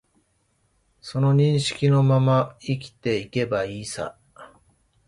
その認識のまま生きていけばいいさ